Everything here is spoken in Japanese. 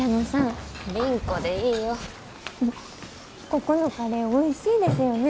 ここのカレーおいしいですよね。